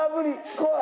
怖い！